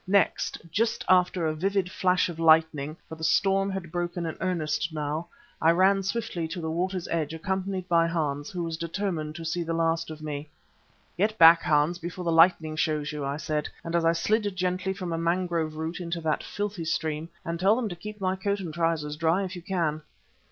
Next, just after a vivid flash of lightning, for the storm had broken in earnest now, I ran swiftly to the water's edge, accompanied by Hans, who was determined to see the last of me. "Get back, Hans, before the lightning shows you," I said, as I slid gently from a mangrove root into that filthy stream, "and tell them to keep my coat and trousers dry if they can."